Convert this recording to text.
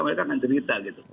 mereka akan cerita gitu